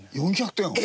４００点を？